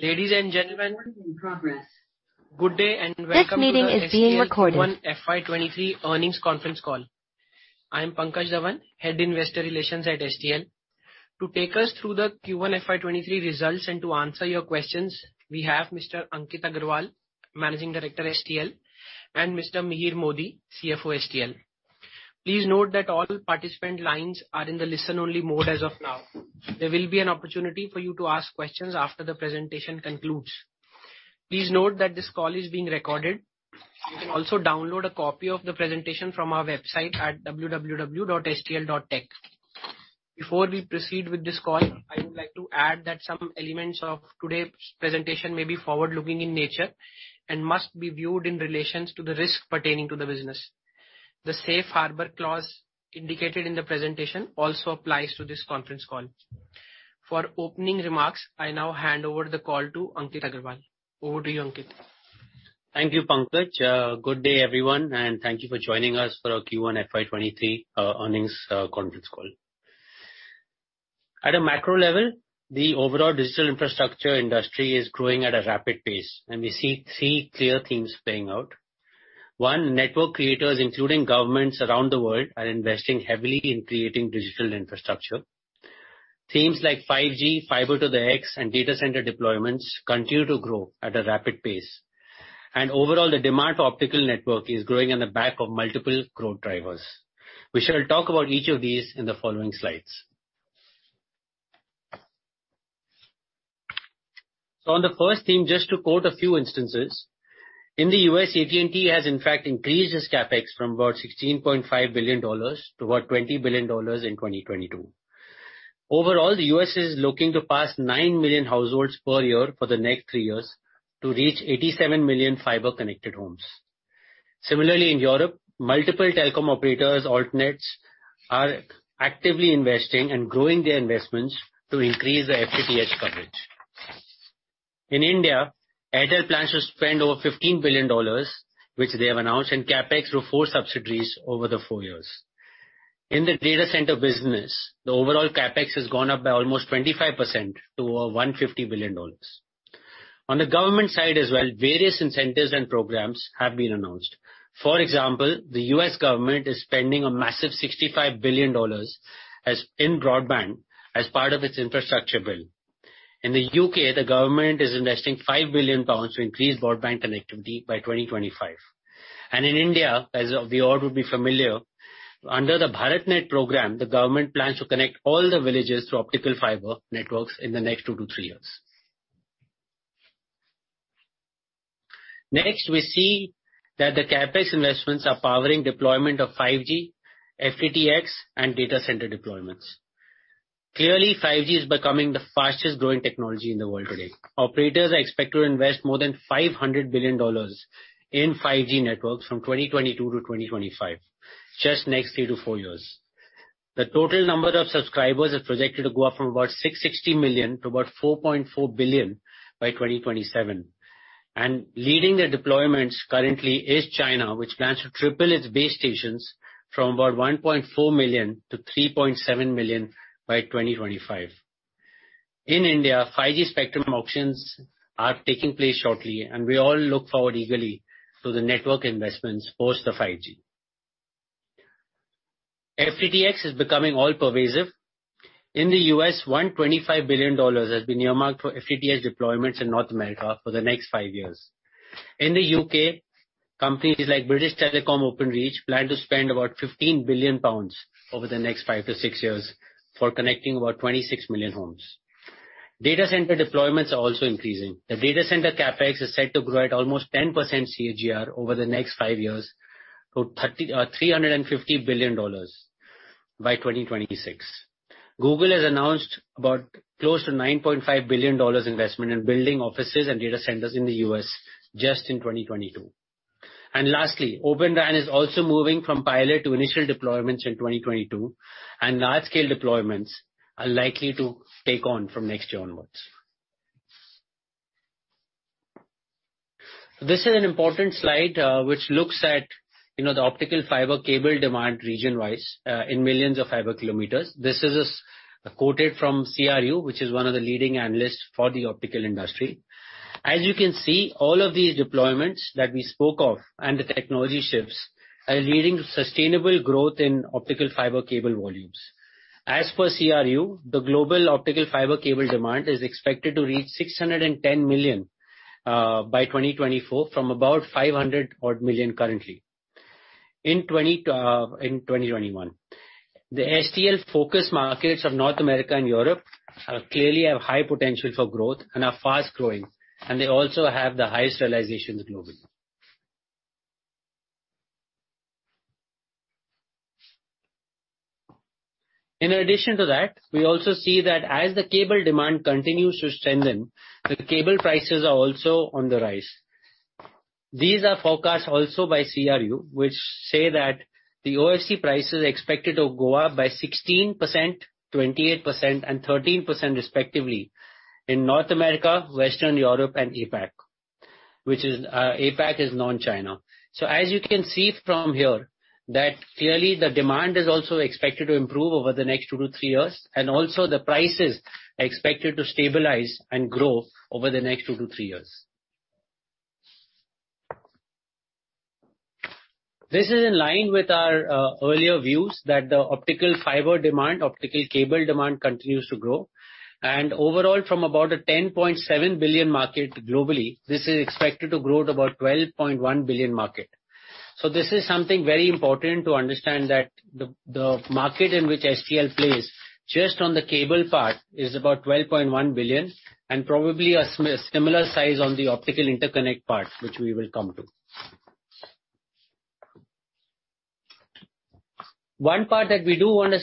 Ladies and gentlemen. Meeting in progress. Good day and welcome. This meeting is being recorded. To the STL Q1 FY23 earnings conference call. I am Pankaj Dhawan, Head of Investor Relations at STL. To take us through the Q1 FY23 results and to answer your questions, we have Mr. Ankit Agarwal, Managing Director, STL, and Mr. Mihir Modi, CFO, STL. Please note that all participant lines are in the listen only mode as of now. There will be an opportunity for you to ask questions after the presentation concludes. Please note that this call is being recorded. You can also download a copy of the presentation from our website at www.stl.tech. Before we proceed with this call, I would like to add that some elements of today's presentation may be forward-looking in nature and must be viewed in relation to the risks pertaining to the business. The Safe Harbor clause indicated in the presentation also applies to this conference call. For opening remarks, I now hand over the call to Ankit Agarwal. Over to you, Ankit. Thank you, Pankaj. Good day, everyone, and thank you for joining us for our Q1 FY23 earnings conference call. At a macro level, the overall digital infrastructure industry is growing at a rapid pace, and we see three clear themes playing out. One, network creators, including governments around the world, are investing heavily in creating digital infrastructure. Themes like 5G, Fiber to the X, and data center deployments continue to grow at a rapid pace. Overall, the demand for optical network is growing on the back of multiple growth drivers. We shall talk about each of these in the following slides. On the first theme, just to quote a few instances, in the U.S., AT&T has in fact increased its CapEx from about $16.5 billion to about $20 billion in 2022. Overall, the U.S. is looking to pass 9 million households per year for the next three years to reach 87 million fiber-connected homes. Similarly, in Europe, multiple telecom operators, alternatives, are actively investing and growing their investments to increase their FTTH coverage. In India, Airtel plans to spend over $15 billion, which they have announced in CapEx through four subsidiaries over the four years. In the data center business, the overall CapEx has gone up by almost 25% to over $150 billion. On the government side as well, various incentives and programs have been announced. For example, the U.S. government is spending a massive $65 billion in broadband as part of its infrastructure bill. In the U.K., the government is investing 5 billion pounds to increase broadband connectivity by 2025. In India, as we all would be familiar, under the BharatNet program, the government plans to connect all the villages through optical fiber networks in the next two to three years. Next, we see that the CapEx investments are powering deployment of 5G, FTTx, and data center deployments. Clearly, 5G is becoming the fastest growing technology in the world today. Operators are expected to invest more than $500 billion in 5G networks from 2022 to 2025, just next three to four years. The total number of subscribers is projected to go up from about 660 million to about 4.4 billion by 2027. Leading the deployments currently is China, which plans to triple its base stations from about 1.4 million to 3.7 million by 2025. In India, 5G spectrum auctions are taking place shortly, and we all look forward eagerly to the network investments post the 5G. FTTx is becoming all pervasive. In the U.S., $125 billion has been earmarked for FTTH deployments in North America for the next five years. In the U.K., companies like British Telecom Openreach plan to spend about 15 billion pounds over the next five-six years for connecting about 26 million homes. Data center deployments are also increasing. The data center CapEx is set to grow at almost 10% CAGR over the next five years to $350 billion by 2026. Google has announced about close to $9.5 billion investment in building offices and data centers in the U.S. just in 2022. Lastly, Open RAN is also moving from pilot to initial deployments in 2022, and large-scale deployments are likely to take on from next year onwards. This is an important slide, which looks at, you know, the optical fiber cable demand region-wise, in millions of fkm. This is quoted from CRU, which is one of the leading analysts for the optical industry. As you can see, all of these deployments that we spoke of and the technology shifts are leading to sustainable growth in optical fiber cable volumes. As per CRU, the global optical fiber cable demand is expected to reach 610 million by 2024, from about 500 million currently. In 2021. The STL focus markets of North America and Europe clearly have high potential for growth and are fast growing, and they also have the highest realization globally. In addition to that, we also see that as the cable demand continues to strengthen, the cable prices are also on the rise. These are forecasts also by CRU, which say that the OFC price is expected to go up by 16%, 28%, and 13% respectively in North America, Western Europe, and APAC. Which is, APAC is non-China. As you can see from here that clearly the demand is also expected to improve over the next two-three years, and also the price is expected to stabilize and grow over the next two-three years. This is in line with our earlier views that the optical fiber demand, optical cable demand continues to grow. Overall from about a 10.7 billion market globally, this is expected to grow at about 12.1 billion market. This is something very important to understand that the market in which STL plays just on the cable part is about 12.1 billion and probably a similar size on the optical interconnect part, which we will come to. One part that we do wanna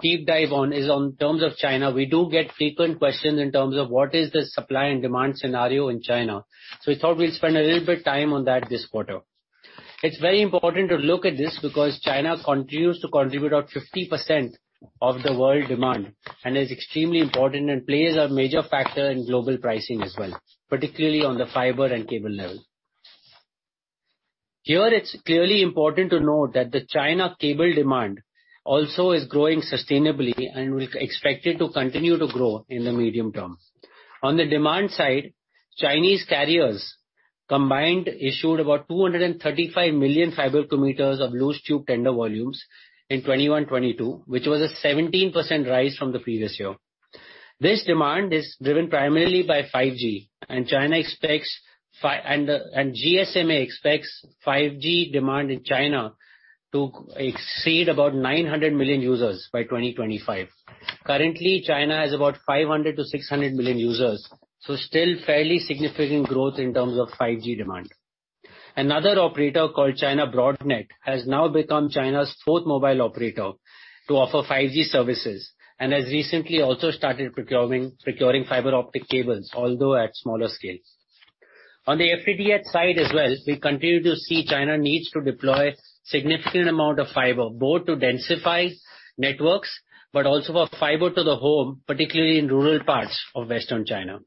deep dive on is in terms of China. We do get frequent questions in terms of what is the supply and demand scenario in China. We thought we'd spend a little bit of time on that this quarter. It's very important to look at this because China continues to contribute out 50% of the world demand and is extremely important and plays a major factor in global pricing as well, particularly on the fiber and cable level. Here, it's clearly important to note that the China cable demand also is growing sustainably and is expected to continue to grow in the medium term. On the demand side, Chinese carriers combined issued about 235 million fkm of loose tube tender volumes in 2021, 2022, which was a 17% rise from the previous year. This demand is driven primarily by 5G and GSMA expects 5G demand in China to exceed about 900 million users by 2025. Currently, China has about 500 million-600 million users, so still fairly significant growth in terms of 5G demand. Another operator called China Broadnet has now become China's fourth mobile operator to offer 5G services and has recently also started procuring fiber optic cables, although at smaller scales. On the FTTx side as well, we continue to see China needs to deploy significant amount of fiber, both to densify networks, but also for fiber to the home, particularly in rural parts of Western China.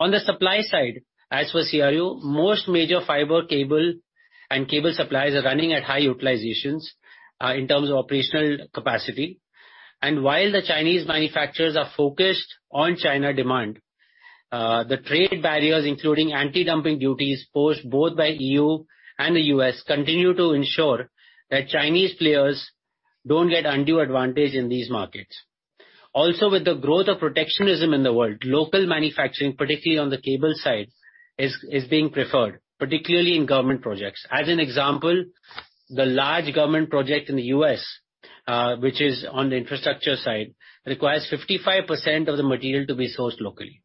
On the supply side, as for CRU, most major fiber cable and cable suppliers are running at high utilizations in terms of operational capacity. While the Chinese manufacturers are focused on China demand, the trade barriers, including anti-dumping duties, imposed both by EU and the U.S., continue to ensure that Chinese players don't get undue advantage in these markets. Also, with the growth of protectionism in the world, local manufacturing, particularly on the cable side, is being preferred, particularly in government projects. As an example, the large government project in the U.S., which is on the infrastructure side, requires 55% of the material to be sourced locally.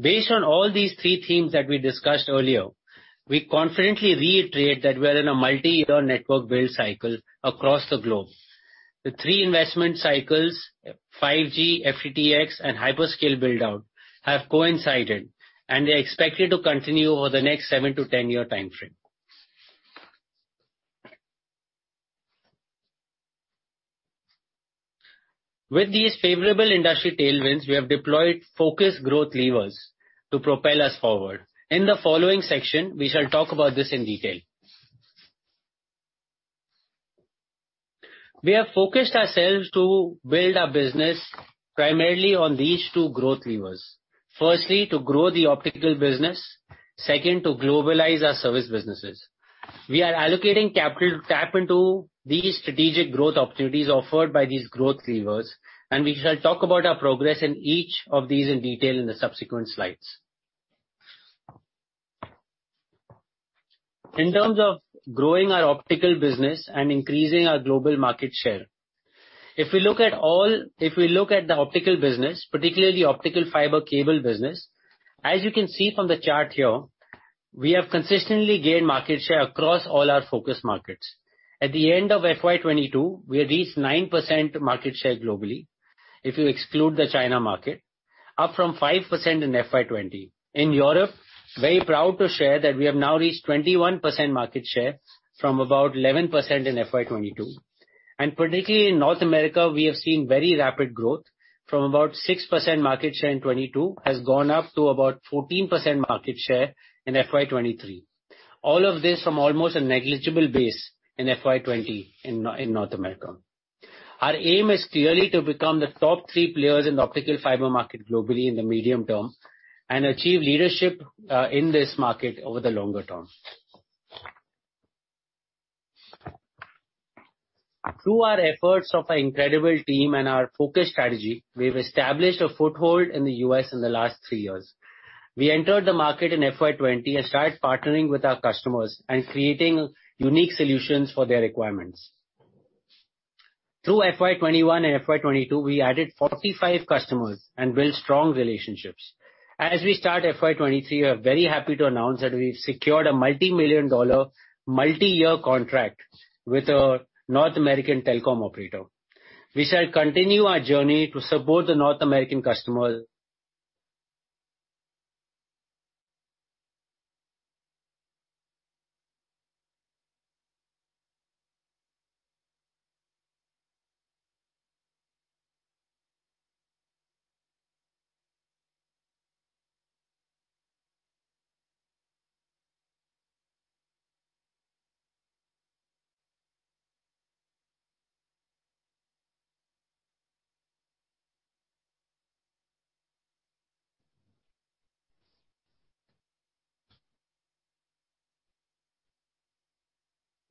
Based on all these three themes that we discussed earlier, we confidently reiterate that we are in a multi-year network build cycle across the globe. The three investment cycles, 5G, FTTx, and hyperscale build-out, have coincided, and they're expected to continue over the next seven to 10-year timeframe. With these favorable industry tailwinds, we have deployed focused growth levers to propel us forward. In the following section, we shall talk about this in detail. We have focused ourselves to build our business primarily on these two growth levers. Firstly, to grow the optical business. Second, to globalize our service businesses. We are allocating capital to tap into these strategic growth opportunities offered by these growth levers, and we shall talk about our progress in each of these in detail in the subsequent slides. In terms of growing our optical business and increasing our global market share, if we look at the optical business, particularly optical fiber cable business, as you can see from the chart here, we have consistently gained market share across all our focus markets. At the end of FY 2022, we had reached 9% market share globally, if you exclude the China market, up from 5% in FY 2020. In Europe, very proud to share that we have now reached 21% market share from about 11% in FY 2022. Particularly in North America, we have seen very rapid growth from about 6% market share in 2022, has gone up to about 14% market share in FY 2023. All of this from almost a negligible base in FY 2020 in North America. Our aim is clearly to become the top three players in the optical fiber market globally in the medium term and achieve leadership in this market over the longer term. Through our efforts of our incredible team and our focused strategy, we've established a foothold in the U.S. in the last three years. We entered the market in FY 2020 and started partnering with our customers and creating unique solutions for their requirements. Through FY 2021 and FY 2022, we added 45 customers and built strong relationships. As we start FY 2023, we are very happy to announce that we've secured a multi-million-dollar, multi-year contract with a North American telecom operator. We shall continue our journey to support the North American customers.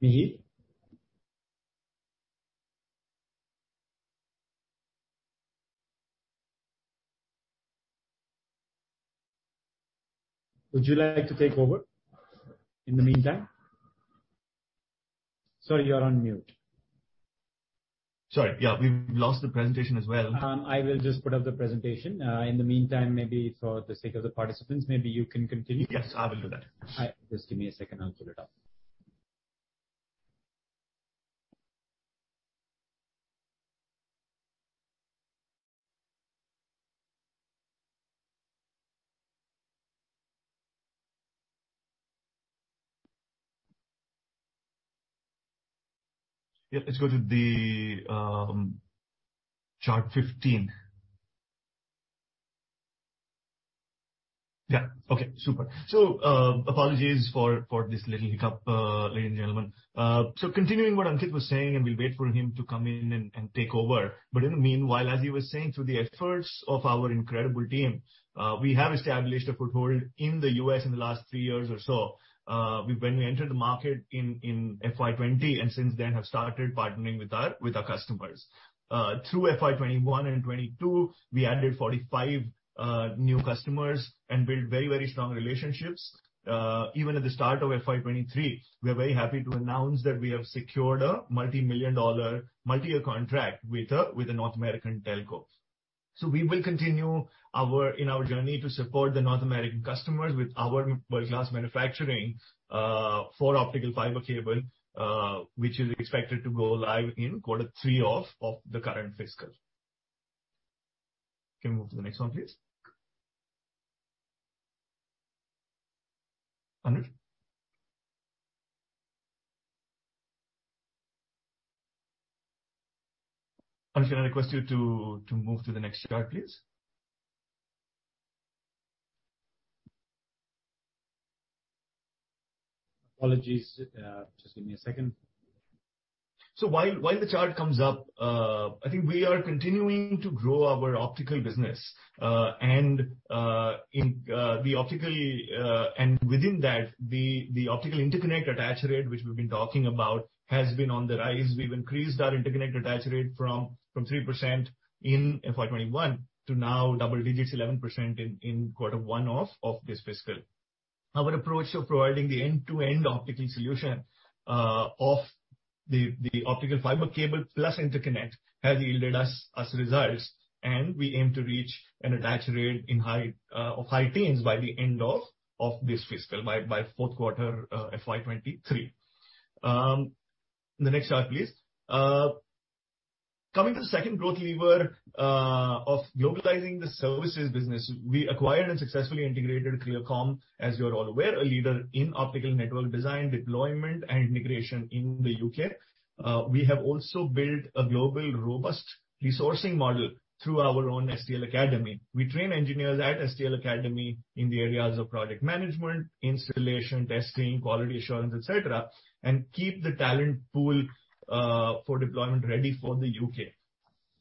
Mihir? Would you like to take over in the meantime? Sir, you are on mute. Sorry. Yeah. We've lost the presentation as well. I will just put up the presentation. In the meantime, maybe for the sake of the participants, maybe you can continue. Yes, I will do that. All right. Just give me a second, I'll put it up. Let's go to the chart 15. Okay, super. Apologies for this little hiccup, ladies and gentlemen. Continuing what Ankit was saying, and we'll wait for him to come in and take over. In the meanwhile, as he was saying, through the efforts of our incredible team, we have established a foothold in the U.S. in the last three years or so. When we entered the market in FY 2020, and since then have started partnering with our customers. Through FY 2021 and 2022, we added 45 new customers and built very strong relationships. Even at the start of FY 2023, we are very happy to announce that we have secured a multimillion-dollar multi-year contract with a North American telco. We will continue our journey to support the North American customers with our world-class manufacturing for optical fiber cable, which is expected to go live in quarter three of the current fiscal. Can you move to the next one, please? Ankit, I request you to move to the next slide, please. Apologies. Just give me a second. While the chart comes up, I think we are continuing to grow our optical business. In the optical, and within that, the optical interconnect attach rate, which we've been talking about, has been on the rise. We've increased our interconnect attach rate from 3% in FY 2021 to now double digits, 11% in Q1 of this fiscal. Our approach of providing the end-to-end optical solution of the optical fiber cable plus interconnect has yielded us results, and we aim to reach an attach rate in the high teens by the end of this fiscal, by fourth quarter, FY 2023. The next chart, please. Coming to the second growth lever of globalizing the services business. We acquired and successfully integrated Clearcomm, as you're all aware, a leader in optical network design, deployment, and integration in the U.K. We have also built a global robust resourcing model through our own STL Academy. We train engineers at STL Academy in the areas of product management, installation, testing, quality assurance, et cetera, and keep the talent pool for deployment ready for the U.K.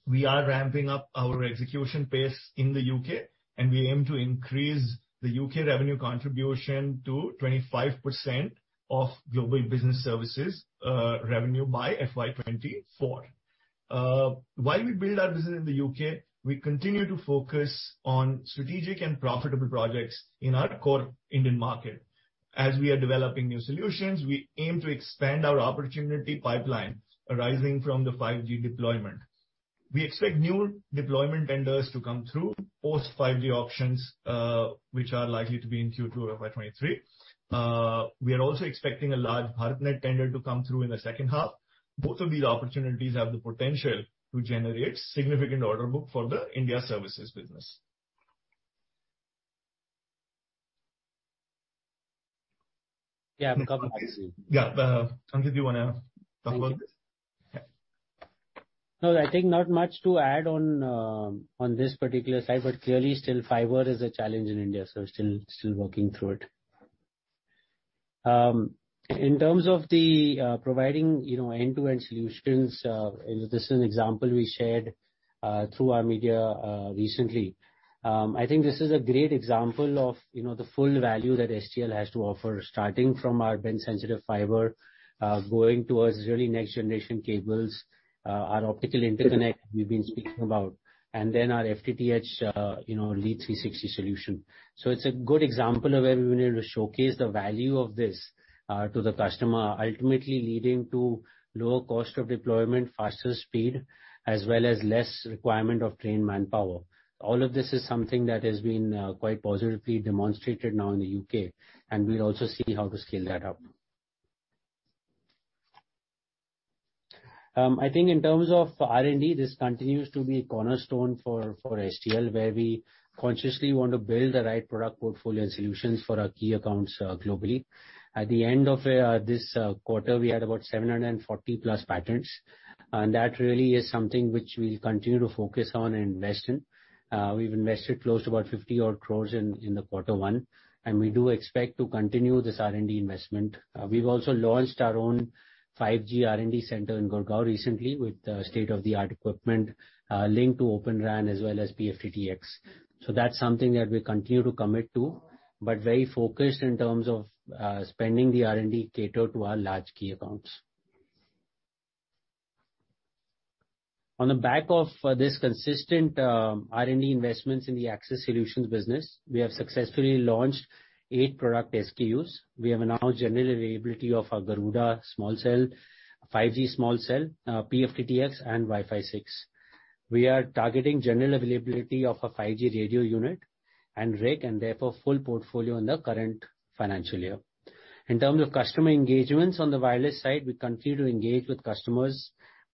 We are ramping up our execution pace in the U.K., and we aim to increase the U.K. revenue contribution to 25% of global business services revenue by FY 2024. While we build our business in the U.K., we continue to focus on strategic and profitable projects in our core Indian market. As we are developing new solutions, we aim to expand our opportunity pipeline arising from the 5G deployment. We expect new deployment vendors to come through post-5G auctions, which are likely to be in Q2 of FY 23. We are also expecting a large BharatNet tender to come through in the second half. Both of these opportunities have the potential to generate significant order book for the India services business. Yeah. Yeah. Ankit, do you wanna talk about this? Yeah. No, I think not much to add on this particular side, but clearly still fiber is a challenge in India, so still working through it. In terms of providing, you know, end-to-end solutions, this is an example we shared through our media recently. I think this is a great example of, you know, the full value that STL has to offer, starting from our bend sensitive fiber, going towards really next generation cables, our optical interconnect we've been speaking about, and then our FTTH, you know, LEAD 360 solution. It's a good example of where we were able to showcase the value of this to the customer, ultimately leading to lower cost of deployment, faster speed, as well as less requirement of trained manpower. All of this is something that has been quite positively demonstrated now in the U.K., and we'll also see how to scale that up. I think in terms of R&D, this continues to be a cornerstone for STL, where we consciously want to build the right product portfolio solutions for our key accounts globally. At the end of this quarter, we had about 740+ patents, and that really is something which we'll continue to focus on and invest in. We've invested close to about 50-odd crores in the quarter one, and we do expect to continue this R&D investment. We've also launched our own 5G R&D center in Gurgaon recently with state-of-the-art equipment linked to Open RAN as well as P-FTTx. That's something that we continue to commit to, but very focused in terms of spending the R&D catered to our large key accounts. On the back of this consistent R&D investments in the access solutions business, we have successfully launched eight product SKUs. We have now general availability of our Garuda Small Cell, 5G Small Cell, P-FTTx and Wi-Fi 6. We are targeting general availability of a 5G radio unit and RIC, and therefore full portfolio in the current financial year. In terms of customer engagements, on the wireless side, we continue to engage with customers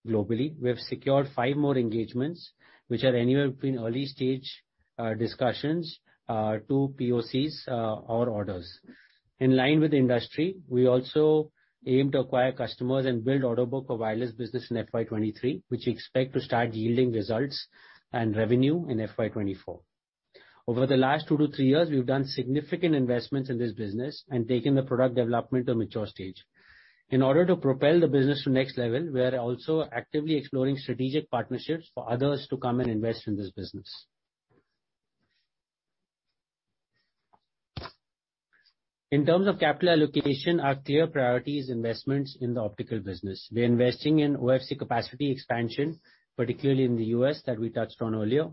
globally. We have secured five more engagements, which are anywhere between early-stage discussions to POCs or orders. In line with the industry, we also aim to acquire customers and build order book for wireless business in FY 2023, which we expect to start yielding results and revenue in FY 2024. Over the last two to three years, we've done significant investments in this business and taken the product development to mature stage. In order to propel the business to next level, we are also actively exploring strategic partnerships for others to come and invest in this business. In terms of capital allocation, our clear priority is investments in the optical business. We are investing in OFC capacity expansion, particularly in the U.S., that we touched on earlier.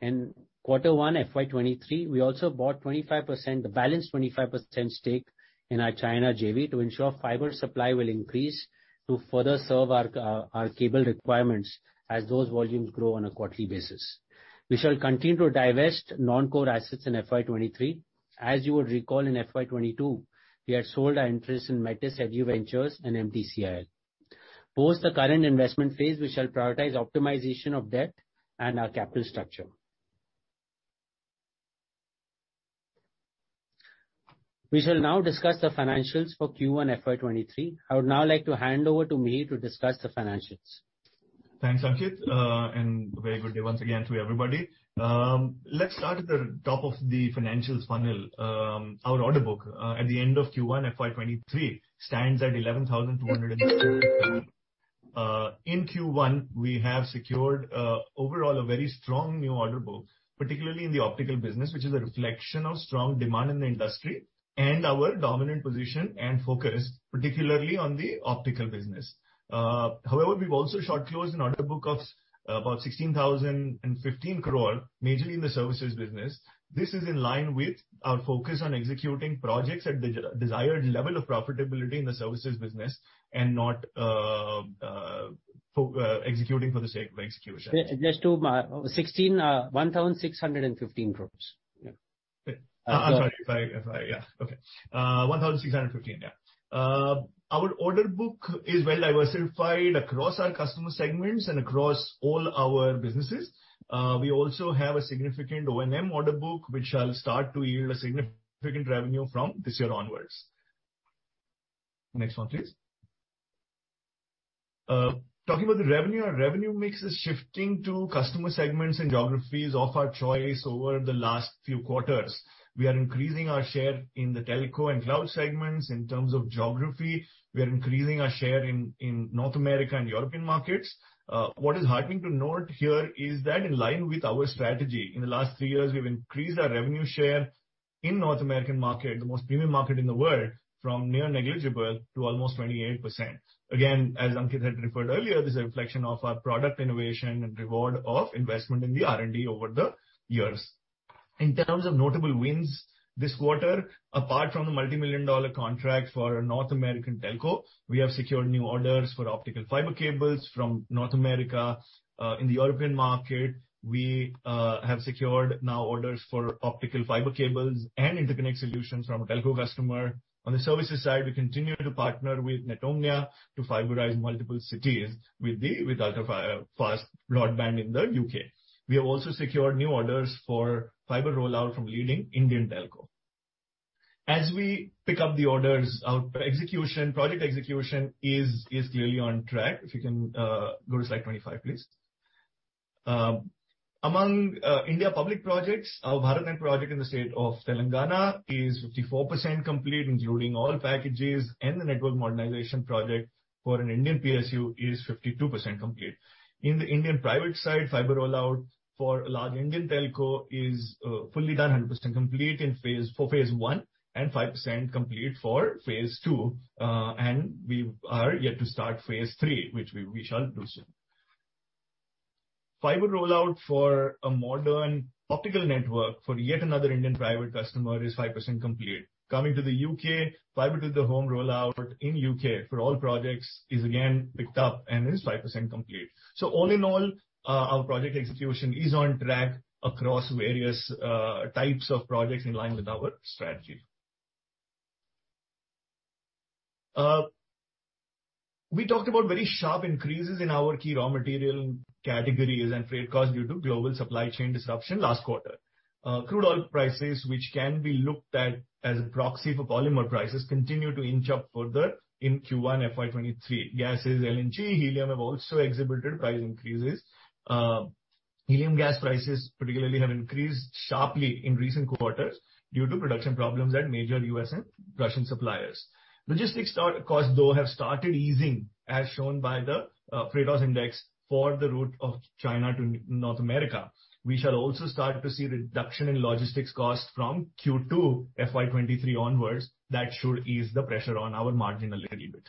In quarter 1 FY 2023, we also bought 25%, the balance 25% stake in our China JV to ensure fiber supply will increase to further serve our cable requirements as those volumes grow on a quarterly basis. We shall continue to divest non-core assets in FY 2023. As you would recall, in FY 2022, we had sold our interest in Metis Heavy Ventures and MTCL. Post the current investment phase, we shall prioritize optimization of debt and our capital structure. We shall now discuss the financials for Q1 FY 2023. I would now like to hand over to Mihir to discuss the financials. Thanks, Ankit, and a very good day once again to everybody. Let's start at the top of the financials funnel. Our order book at the end of Q1 FY 2023 stands at 11,200 crore. In Q1, we have secured overall a very strong new order book, particularly in the optical business, which is a reflection of strong demand in the industry and our dominant position and focus, particularly on the optical business. However, we've also short closed an order book of about 16,015 crore, majorly in the services business. This is in line with our focus on executing projects at the desired level of profitability in the services business and not executing for the sake of execution. Just to 1,615 crores. Yeah. 1,615 crores. Our order book is well diversified across our customer segments and across all our businesses. We also have a significant O&M order book, which shall start to yield a significant revenue from this year onwards. Next one, please. Talking about the revenue. Our revenue mix is shifting to customer segments and geographies of our choice over the last few quarters. We are increasing our share in the telco and cloud segments. In terms of geography, we are increasing our share in North America and European markets. What is heartening to note here is that in line with our strategy, in the last three years, we've increased our revenue share in North American market, the most premium market in the world, from near negligible to almost 28%. Again, as Ankit had referred earlier, this is a reflection of our product innovation and reward of investment in the R&D over the years. In terms of notable wins this quarter, apart from the multimillion-dollar contract for a North American telco, we have secured new orders for optical fiber cables from North America. In the European market, we have secured now orders for optical fiber cables and interconnect solutions from a telco customer. On the services side, we continue to partner with Netomnia to fiberize multiple cities with fast broadband in the U.K. We have also secured new orders for fiber rollout from leading Indian telco. As we pick up the orders, our execution, project execution is clearly on track. If you can go to slide 25, please. Among Indian public projects, our BharatNet project in the state of Telangana is 54% complete, including all packages, and the network modernization project for an Indian PSU is 52% complete. In the Indian private side, fiber rollout for a large Indian telco is fully done, 100% complete for phase I, and 5% complete for phase II. We are yet to start phase III, which we shall do soon. Fiber rollout for a modern optical network for yet another Indian private customer is 5% complete. Coming to the U.K., fiber to the home rollout in U.K. for all projects is again picked up and is 5% complete. All in all, our project execution is on track across various types of projects in line with our strategy. We talked about very sharp increases in our key raw material categories and freight costs due to global supply chain disruption last quarter. Crude oil prices, which can be looked at as a proxy for polymer prices, continue to inch up further in Q1 FY 2023. Gases, LNG, helium have also exhibited price increases. Helium gas prices particularly have increased sharply in recent quarters due to production problems at major U.S. and Russian suppliers. Logistics costs, though, have started easing, as shown by the Freightos Index for the route of China to North America. We shall also start to see reduction in logistics costs from Q2 FY 2023 onwards. That should ease the pressure on our margin a little bit.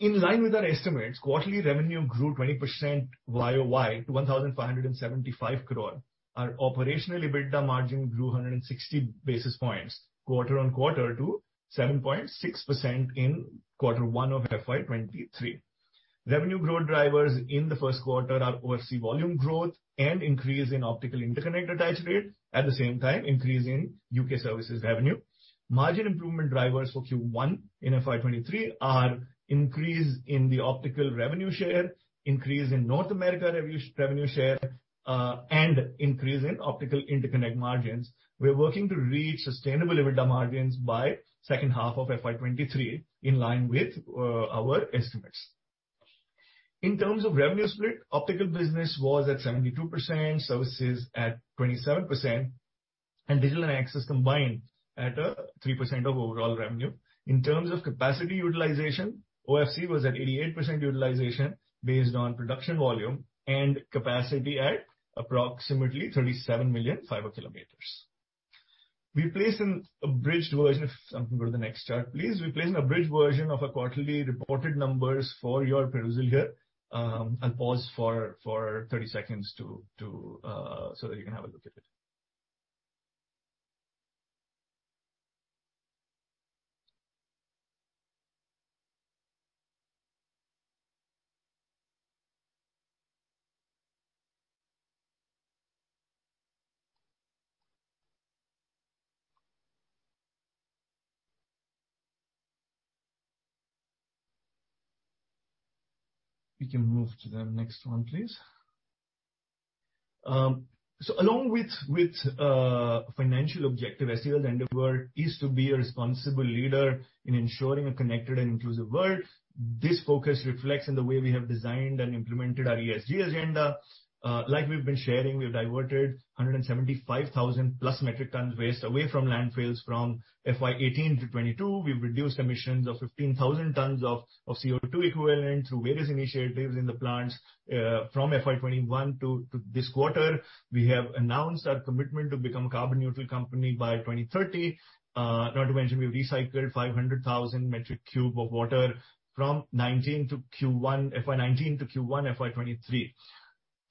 In line with our estimates, quarterly revenue grew 20% YOY to 1,575 crore. Our operational EBITDA margin grew 160 basis points quarter-on-quarter to 7.6% in Q1 of FY 2023. Revenue growth drivers in the first quarter are OFC volume growth and increase in optical interconnect attach rate, at the same time increase in U.K. services revenue. Margin improvement drivers for Q1 in FY 2023 are increase in the optical revenue share, increase in North America revenue share, and increase in optical interconnect margins. We're working to reach sustainable EBITDA margins by second half of FY 2023, in line with our estimates. In terms of revenue split, optical business was at 72%, services at 27%, and digital and access combined at 3% of overall revenue. In terms of capacity utilization, OFC was at 88% utilization based on production volume and capacity at approximately 37 million fkm. If someone can go to the next chart, please. We placed an abridged version of our quarterly reported numbers for your perusal here. I'll pause for 30 seconds so that you can have a look at it. We can move to the next one, please. So along with financial objective, STL's endeavor is to be a responsible leader in ensuring a connected and inclusive world. This focus reflects in the way we have designed and implemented our ESG agenda. Like we've been sharing, we have diverted 175,000+ metric tons waste away from landfills from FY 2018 to 2022. We've reduced emissions of 15,000 tons of CO2 equivalent through various initiatives in the plants from FY 2021 to this quarter. We have announced our commitment to become a carbon neutral company by 2030. Not to mention we've recycled 500,000 cubic meters of water from FY 2019 to Q1 FY 2023.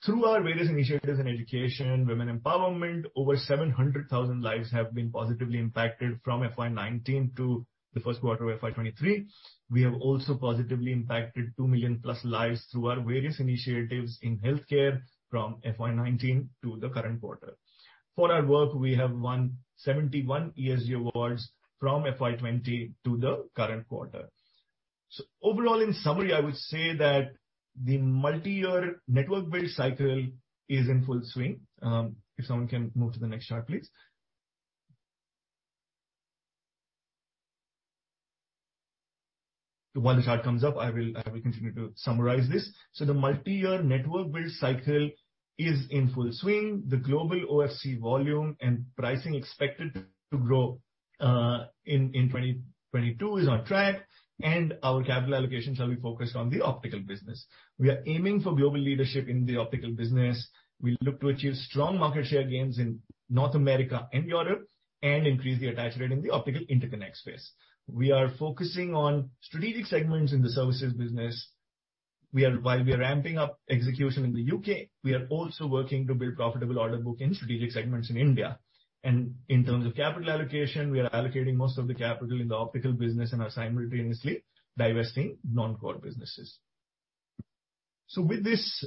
Through our various initiatives in education, women empowerment, over 700,000 lives have been positively impacted from FY 2019 to the first quarter of FY 2023. We have also positively impacted 2 million+ lives through our various initiatives in healthcare from FY 2019 to the current quarter. For our work, we have won 71 ESG awards from FY 2020 to the current quarter. Overall, in summary, I would say that the multi-year network build cycle is in full swing. If someone can move to the next chart, please. While the chart comes up, I will continue to summarize this. The multi-year network build cycle is in full swing. The global OFC volume and pricing expected to grow in 2022 is on track, and our capital allocation shall be focused on the optical business. We are aiming for global leadership in the optical business. We look to achieve strong market share gains in North America and Europe and increase the attach rate in the optical interconnect space. We are focusing on strategic segments in the services business. While we are ramping up execution in the U.K., we are also working to build profitable order book in strategic segments in India. In terms of capital allocation, we are allocating most of the capital in the optical business and are simultaneously divesting non-core businesses. With this,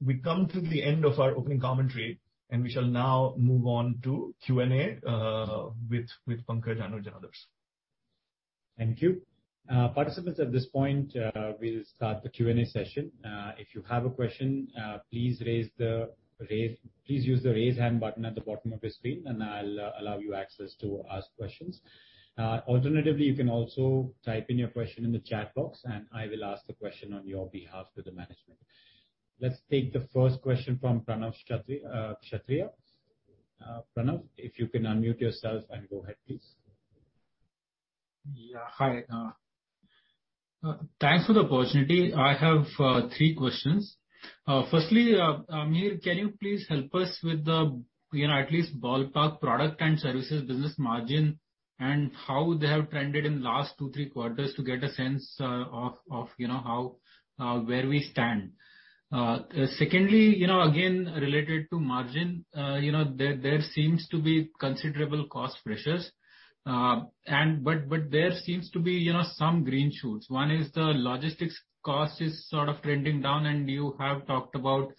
we come to the end of our opening commentary, and we shall now move on to Q&A with Pankaj and Anuj and others. Thank you. Participants, at this point, we'll start the Q&A session. If you have a question, please use the raise hand button at the bottom of your screen and I'll allow you access to ask questions. Alternatively, you can also type in your question in the chat box, and I will ask the question on your behalf to the management. Let's take the first question from Pranav Kshatriya. Pranav, if you can unmute yourself and go ahead, please. Yeah. Hi. Thanks for the opportunity. I have three questions. Firstly, Mihir, can you please help us with the, you know, at least ballpark product and services business margin and how they have trended in last two, three quarters to get a sense of, you know, how, where we stand? Secondly, you know, again, related to margin, you know, there seems to be considerable cost pressures. There seems to be, you know, some green shoots. One is the logistics cost is sort of trending down, and you have talked about,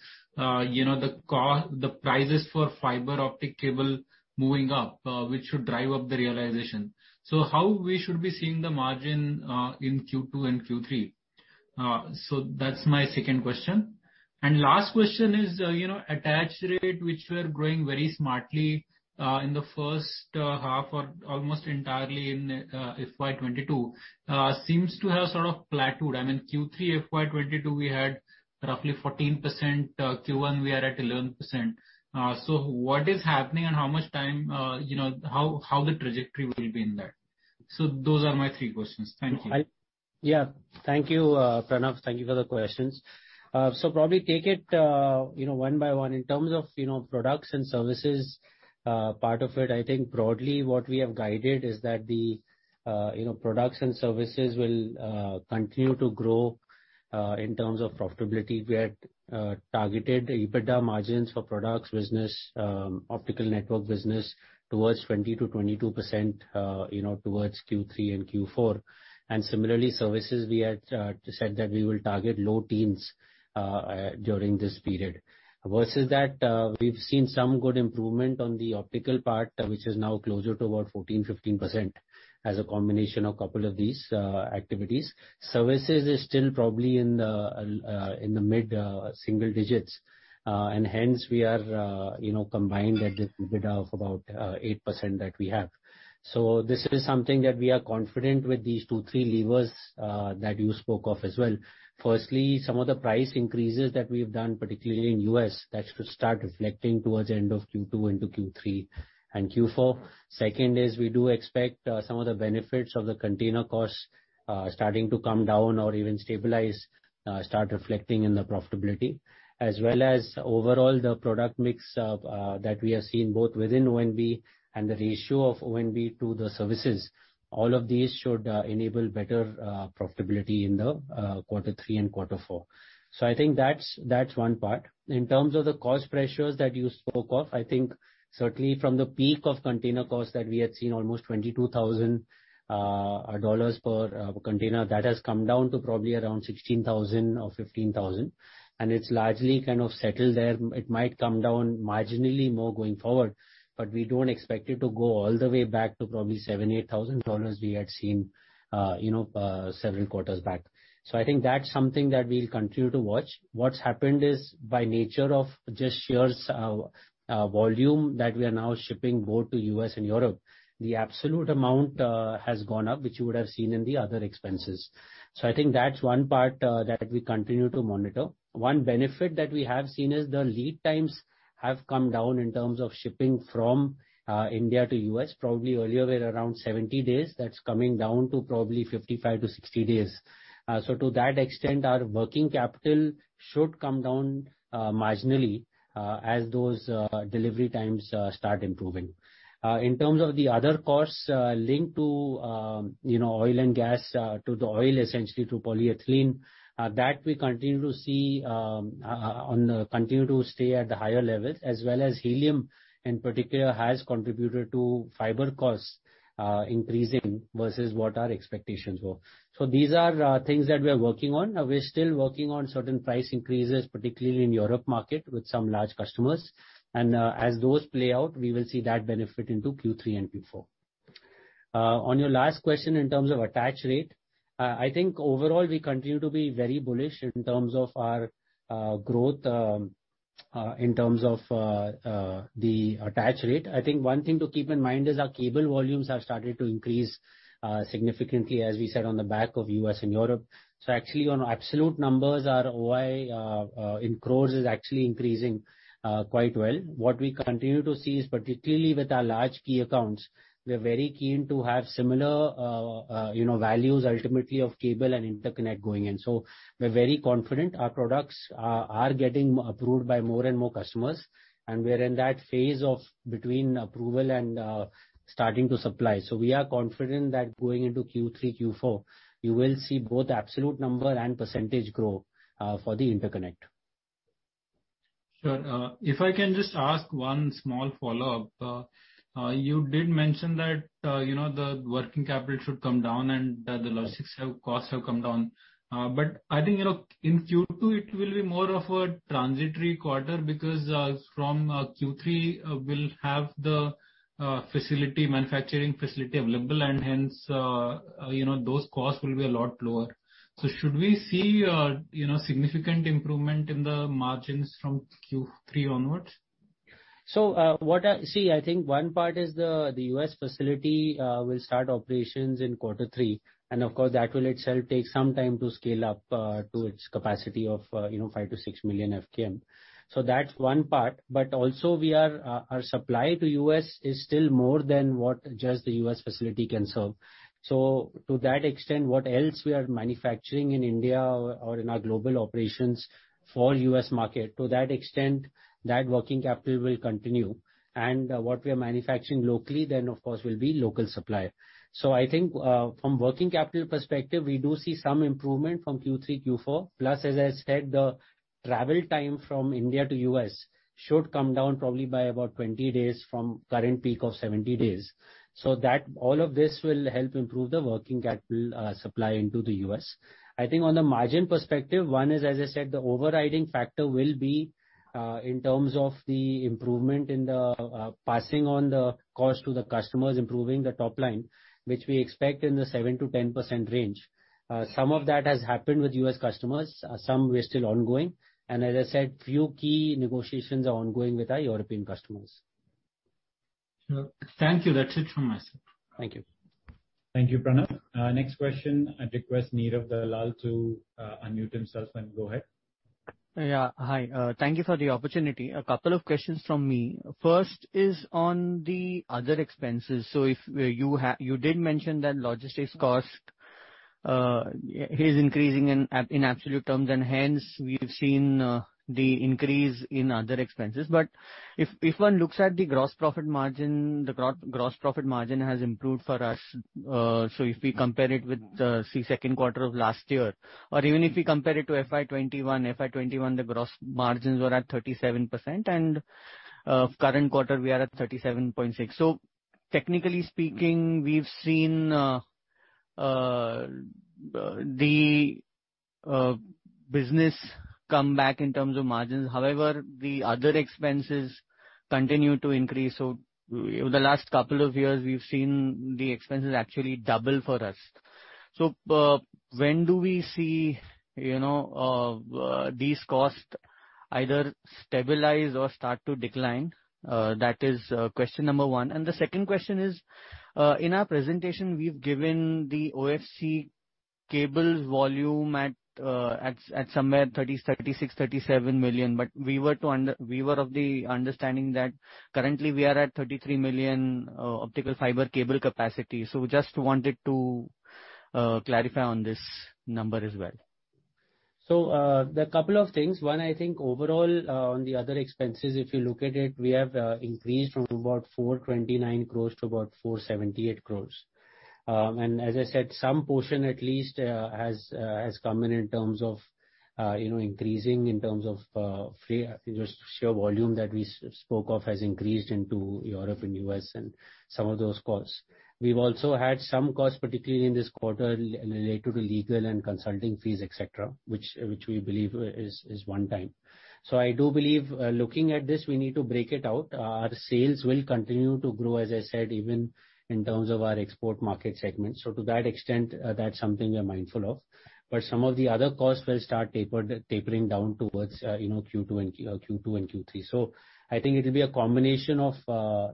you know, the prices for fiber optic cable moving up, which should drive up the realization. How we should be seeing the margin in Q2 and Q3? That's my second question. Last question is, you know, attach rate, which we are growing very smartly in the first half or almost entirely in FY 2022, seems to have sort of plateaued. I mean, Q3 FY 2022 we had roughly 14%, Q1 we are at 11%. What is happening and how much time, you know, how the trajectory will be in that? Those are my three questions. Thank you. Yeah. Thank you, Pranav. Thank you for the questions. So probably take it, you know, one by one. In terms of, you know, products and services, part of it, I think broadly what we have guided is that the, you know, products and services will continue to grow in terms of profitability. We had targeted EBITDA margins for products business, optical network business towards 20%-22%, you know, towards Q3 and Q4. Similarly, services we had said that we will target low teens during this period. Versus that, we've seen some good improvement on the optical part, which is now closer to about 14%-15% as a combination of couple of these activities. Services is still probably in the mid-single digits, and hence we are, you know, combined at EBITDA of about 8% that we have. This is something that we are confident with these two, three levers that you spoke of as well. Firstly, some of the price increases that we've done, particularly in U.S., that should start reflecting towards the end of Q2 into Q3 and Q4. Second is we do expect some of the benefits of the container costs starting to come down or even stabilize, start reflecting in the profitability. As well as overall the product mix that we have seen both within ONB and the ratio of ONB to the services. All of these should enable better profitability in the quarter three and quarter four. I think that's one part. In terms of the cost pressures that you spoke of, I think certainly from the peak of container costs that we had seen almost $22,000 per container, that has come down to probably around $16,000 or $15,000. It's largely kind of settled there. It might come down marginally more going forward, but we don't expect it to go all the way back to probably $7,000-$8,000 we had seen, you know, several quarters back. I think that's something that we'll continue to watch. What's happened is by nature of just sheer volume that we are now shipping both to U.S. and Europe, the absolute amount has gone up, which you would have seen in the other expenses. I think that's one part that we continue to monitor. One benefit that we have seen is the lead times have come down in terms of shipping from India to U.S., probably earlier were around 70 days. That's coming down to probably 55-60 days. To that extent, our working capital should come down marginally as those delivery times start improving. In terms of the other costs linked to you know oil and gas to the oil essentially to polyethylene that we continue to stay at the higher levels, as well as helium in particular has contributed to fiber costs increasing versus what our expectations were. These are things that we are working on. We're still working on certain price increases, particularly in European market with some large customers. As those play out, we will see that benefit into Q3 and Q4. On your last question in terms of attach rate, I think overall we continue to be very bullish in terms of our growth in terms of the attach rate. I think one thing to keep in mind is our cable volumes have started to increase significantly as we said on the back of U.S. and Europe. Actually on absolute numbers, our OI in crores is actually increasing quite well. What we continue to see is particularly with our large key accounts, we're very keen to have similar you know values ultimately of cable and interconnect going in. We're very confident our products are getting approved by more and more customers. We're in that phase of between approval and starting to supply. We are confident that going into Q3, Q4, you will see both absolute number and percentage grow for the interconnect. Sure. If I can just ask one small follow-up. You did mention that, you know, the working capital should come down and the logistics costs have come down. I think, you know, in Q2 it will be more of a transitory quarter because from Q3, we'll have the manufacturing facility available and hence, you know, those costs will be a lot lower. Should we see, you know, significant improvement in the margins from Q3 onwards? I think one part is the U.S. facility will start operations in quarter three. Of course, that will itself take some time to scale up to its capacity of, you know, 5-6 million fkm. That's one part. Also, we are our supply to U.S. is still more than what just the U.S. facility can serve. To that extent, what else we are manufacturing in India or in our global operations for U.S. market, to that extent, that working capital will continue. What we are manufacturing locally then of course will be local supply. I think from working capital perspective, we do see some improvement from Q3, Q4. Plus, as I said, the travel time from India to U.S. should come down probably by about 20 days from current peak of 70 days. That, all of this will help improve the working capital, supply into the U.S. I think on the margin perspective, one is, as I said, the overriding factor will be, in terms of the improvement in the, passing on the cost to the customers, improving the top line, which we expect in the 7%-10% range. Some of that has happened with U.S. customers, some were still ongoing. As I said, few key negotiations are ongoing with our European customers. Sure. Thank you. That's it from myself. Thank you. Thank you, Pranav. Next question, I request Neerav Dalal to unmute himself and go ahead. Yeah. Hi. Thank you for the opportunity. A couple of questions from me. First is on the other expenses. If you did mention that logistics cost is increasing in absolute terms, and hence we've seen the increase in other expenses. If one looks at the gross profit margin, the gross profit margin has improved for us. If we compare it with, say, second quarter of last year, or even if we compare it to FY 2021, the gross margins were at 37% and current quarter we are at 37.6%. Technically speaking, we've seen the business come back in terms of margins. However, the other expenses continue to increase. Over the last couple of years we've seen the expenses actually double for us. When do we see, you know, these costs either stabilize or start to decline? That is question number one. The second question is, in our presentation, we've given the OFC cables volume at somewhere 30, 36, 37 million, but we were of the understanding that currently we are at 33 million optical fiber cable capacity. Just wanted to clarify on this number as well. There are a couple of things. One, I think overall, on the other expenses, if you look at it, we have increased from about 429 crores to about 478 crores. And as I said, some portion at least has come in terms of, you know, increasing in terms of, from just sheer volume that we spoke of has increased into Europe and U.S. and some of those costs. We've also had some costs, particularly in this quarter related to legal and consulting fees, et cetera, which we believe is one time. I do believe, looking at this, we need to break it out. Our sales will continue to grow, as I said, even in terms of our export market segment. To that extent, that's something we're mindful of. Some of the other costs will start tapering down towards, you know, Q2 and Q3. I think it'll be a combination of,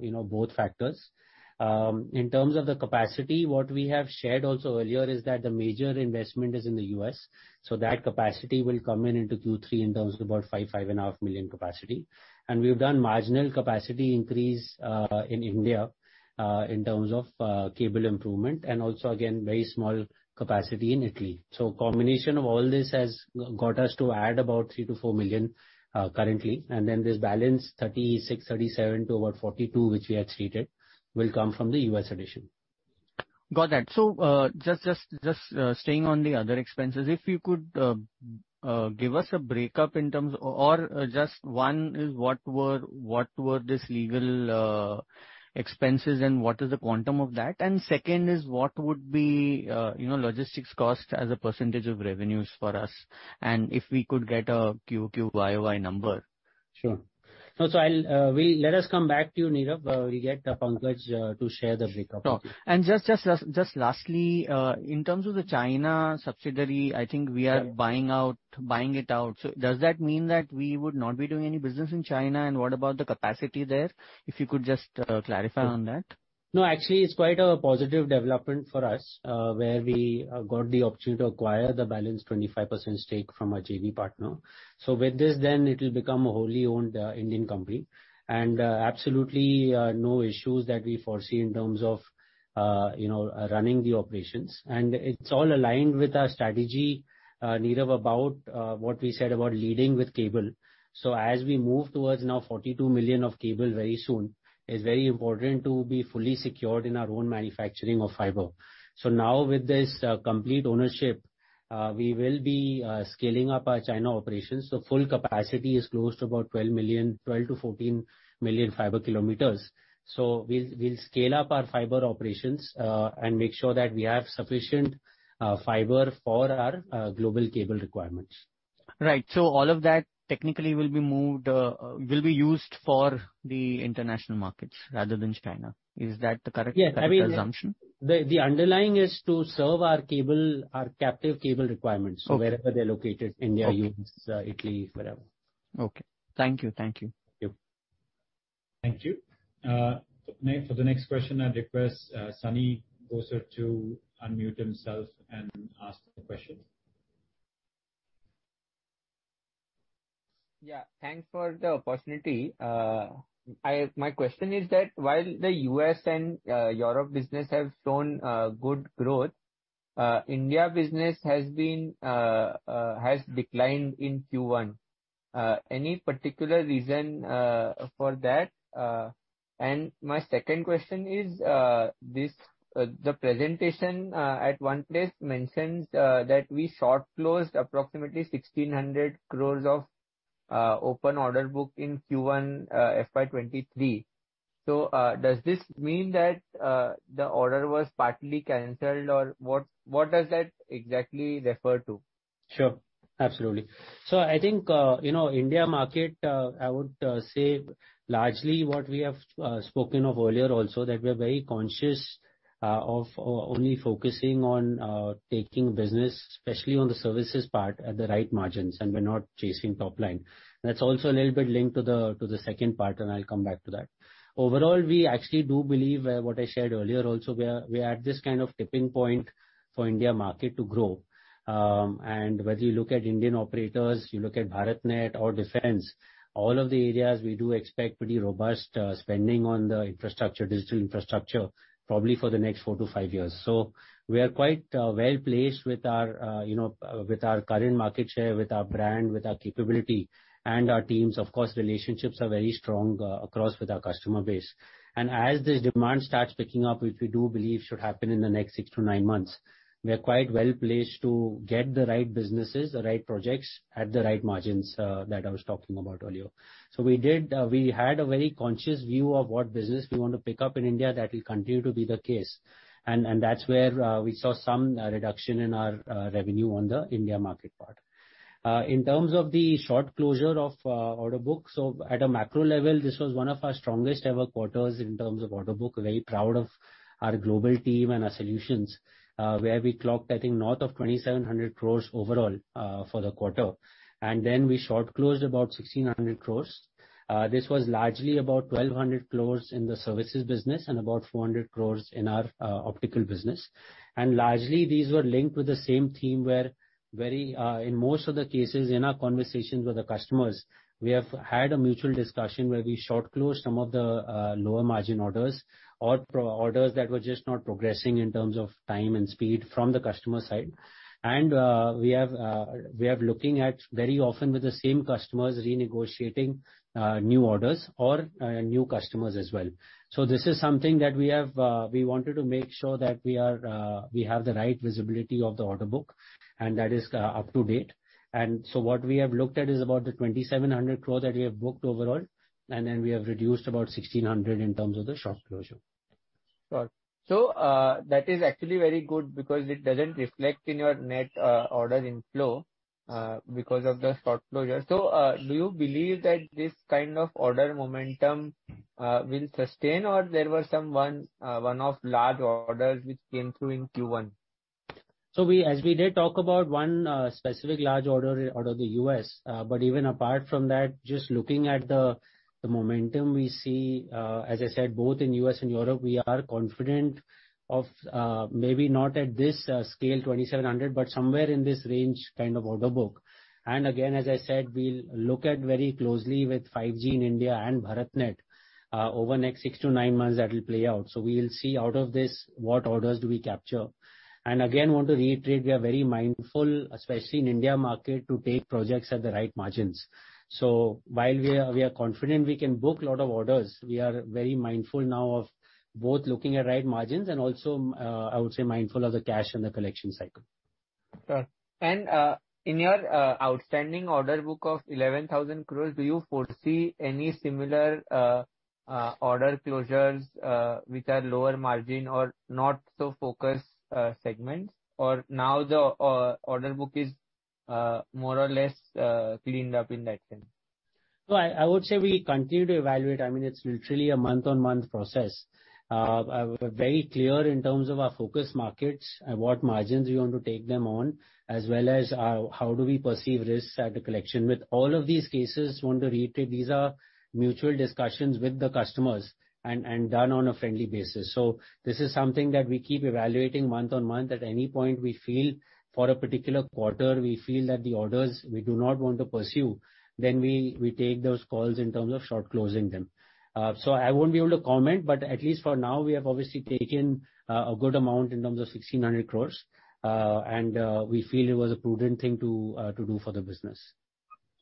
you know, both factors. In terms of the capacity, what we have shared also earlier is that the major investment is in the U.S., so that capacity will come in into Q3 in terms of about 5.5 million capacity. We've done marginal capacity increase, in India, in terms of, cable improvement and also again, very small capacity in Italy. Combination of all this has got us to add about 3-4 million, currently. Then this balance, 36-37 to about 42, which we had stated, will come from the U.S. addition. Got that. Just staying on the other expenses, if you could give us a breakdown. Or just one is what were these legal expenses and what is the quantum of that? And second is what would be, you know, logistics cost as a percentage of revenues for us, and if we could get a Q-over-Q, Y-over-Y number. Sure. No, let us come back to you, Neerav. We'll get Pankaj to share the breakup. Sure. Just lastly, in terms of the China subsidiary, I think we are buying out, buying it out. Does that mean that we would not be doing any business in China? What about the capacity there? If you could just clarify on that. No, actually it's quite a positive development for us, where we got the opportunity to acquire the balance 25% stake from our JV partner. With this then it'll become a wholly owned Indian company. Absolutely, no issues that we foresee in terms of, you know, running the operations. It's all aligned with our strategy, Neerav, about what we said about leading with cable. As we move towards now 42 million of cable very soon, it's very important to be fully secured in our own manufacturing of fiber. Now with this, complete ownership, we will be scaling up our China operations. Full capacity is close to about 12 million, 12-14 million fkm. We'll scale up our fiber operations and make sure that we have sufficient fiber for our global cable requirements. Right. All of that technically will be moved, will be used for the international markets rather than China. Is that correct? Yeah. I mean. -assumption? The underlying is to serve our cable, our captive cable requirements. Okay wherever they're located, India Okay U.S., Italy, wherever. Okay. Thank you. Thank you. Thank you. Thank you. Now for the next question, I request, Sunny Gosar to unmute himself and ask the question. Yeah, thanks for the opportunity. My question is that while the U.S. and Europe business have shown good growth, India business has declined in Q1. Any particular reason for that? My second question is, this, the presentation at one place mentions that we short closed approximately 1,600 crores of open order book in Q1, FY 2023. Does this mean that the order was partly canceled? Or what does that exactly refer to? Sure. Absolutely. I think, you know, Indian market, I would say largely what we have spoken of earlier also, that we are very conscious of only focusing on taking business, especially on the services part, at the right margins, and we're not chasing top line. That's also a little bit linked to the second part, and I'll come back to that. Overall, we actually do believe what I shared earlier also, we are at this kind of tipping point for Indian market to grow. Whether you look at Indian operators, you look at BharatNet or defense, all of the areas we do expect pretty robust spending on the infrastructure, digital infrastructure, probably for the next four-five years. We are quite well-placed with our you know with our current market share, with our brand, with our capability and our teams. Of course, relationships are very strong across our customer base. As the demand starts picking up, which we do believe should happen in the next six-nine months, we are quite well-placed to get the right businesses, the right projects at the right margins that I was talking about earlier. We had a very conscious view of what business we want to pick up in India. That will continue to be the case. That's where we saw some reduction in our revenue on the India market part. In terms of the short closure of order book. At a macro level, this was one of our strongest ever quarters in terms of order book. Very proud of our global team and our solutions, where we clocked, I think, north of 2,700 crores overall, for the quarter. We short closed about 1,600 crores. This was largely about 1,200 crores in the services business and about 400 crores in our optical business. Largely, these were linked with the same theme where very, in most of the cases in our conversations with the customers, we have had a mutual discussion where we short closed some of the lower margin orders or pro-orders that were just not progressing in terms of time and speed from the customer side. We are looking at very often with the same customers renegotiating new orders or new customers as well. This is something that we wanted to make sure that we have the right visibility of the order book and that is up to date. What we have looked at is about 2,700 crore that we have booked overall, and then we have reduced about 1,600 in terms of the short closure. Sure. That is actually very good because it doesn't reflect in your net order inflow because of the short closure. Do you believe that this kind of order momentum will sustain, or there were some one-off large orders which came through in Q1? As we did talk about one specific large order out of the U.S. Even apart from that, just looking at the momentum we see, as I said, both in U.S. and Europe, we are confident of, maybe not at this scale, 2,700, but somewhere in this range kind of order book. Again, as I said, we'll look at very closely with 5G in India and BharatNet, over next six-nine months that will play out. We'll see out of this what orders do we capture. Again, want to reiterate, we are very mindful, especially in Indian market, to take projects at the right margins. While we are confident we can book a lot of orders, we are very mindful now of both looking at right margins and also, I would say, mindful of the cash and the collection cycle. Sure. In your outstanding order book of 11,000 crore, do you foresee any similar order closures which are lower margin or not so focused segments? Or now the order book is more or less cleaned up in that sense? I would say we continue to evaluate. I mean, it's literally a month-on-month process. We're very clear in terms of our focus markets, at what margins we want to take them on, as well as how do we perceive risks at the collection. With all of these cases, want to reiterate these are mutual discussions with the customers and done on a friendly basis. This is something that we keep evaluating month-on-month. At any point we feel, for a particular quarter, we feel that the orders we do not want to pursue, then we take those calls in terms of short closing them. I won't be able to comment, but at least for now, we have obviously taken a good amount in terms of 1,600 crore. We feel it was a prudent thing to do for the business.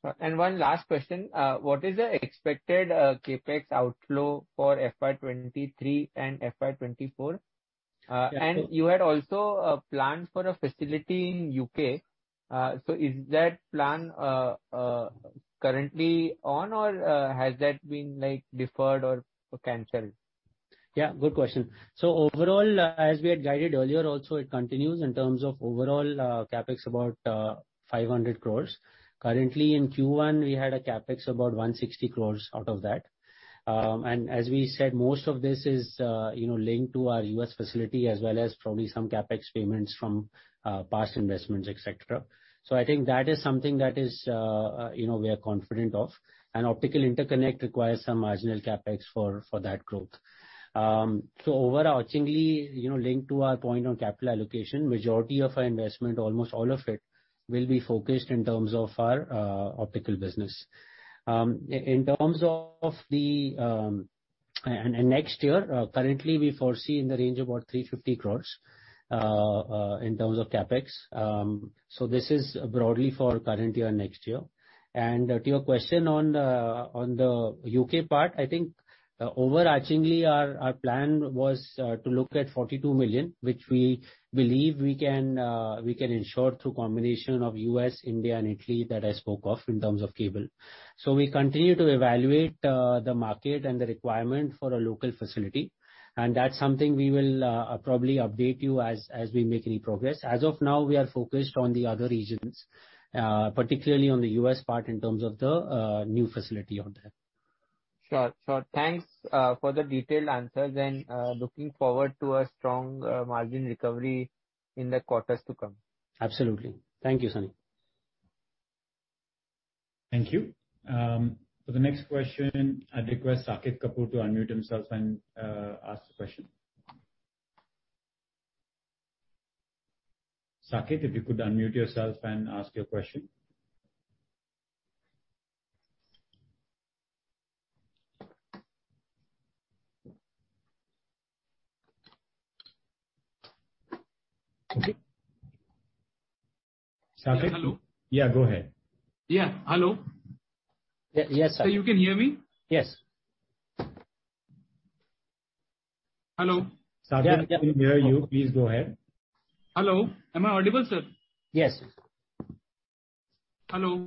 Sure. One last question. What is the expected CapEx outflow for FY 2023 and FY 2024? Yeah. You had also a plan for a facility in U.K. Is that plan currently on or has that been like deferred or canceled? Yeah, good question. Overall, as we had guided earlier also it continues in terms of overall, CapEx about 500 crores. Currently in Q1 we had a CapEx about 160 crores out of that. As we said, most of this is, you know, linked to our U.S. facility as well as probably some CapEx payments from past investments, et cetera. I think that is something that is, you know, we are confident of. Optical interconnect requires some marginal CapEx for that growth. Overarchingly, you know, linked to our point on capital allocation, majority of our investment, almost all of it will be focused in terms of our optical business. Next year, currently we foresee in the range about 350 crore in terms of CapEx. This is broadly for current year, next year. To your question on the U.K. part, I think overarchingly our plan was to look at 42 million, which we believe we can ensure through combination of U.S., India and Italy that I spoke of in terms of cable. We continue to evaluate the market and the requirement for a local facility, and that's something we will probably update you as we make any progress. As of now, we are focused on the other regions, particularly on the U.S. part in terms of the new facility out there. Sure, sure. Thanks for the detailed answers and looking forward to a strong margin recovery in the quarters to come. Absolutely. Thank you, Sunny. Thank you. For the next question, I request Saket Kapoor to unmute himself and ask the question. Saket, if you could unmute yourself and ask your question. Saket? Hello. Yeah, go ahead. Yeah. Hello. Yes, Saket. Sir, you can hear me? Yes. Hello. Saket, we can hear you. Please go ahead. Hello, am I audible, sir? Yes. Hello.